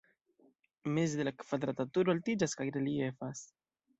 Meze la kvadrata turo altiĝas kaj reliefas.